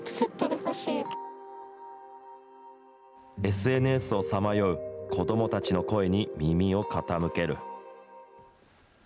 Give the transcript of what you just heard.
ＳＮＳをさまよう子どもたちの声に耳を傾ける。